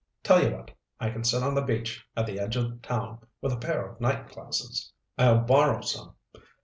"Tell you what. I can sit on the beach at the edge of town with a pair of night glasses. I'll borrow some.